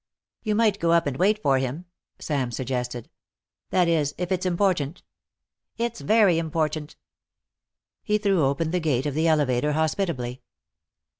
"You might go up and wait for him," Sam suggested. "That is, if it's important." "It's very important." He threw open the gate of the elevator hospitably.